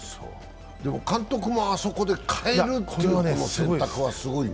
でも監督もあそこで代えるっていう選択はすごいね。